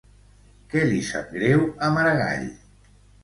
Què li sap greu a Maragall?